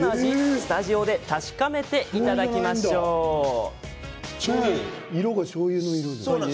スタジオで確かめていただきまし色がしょうゆの色。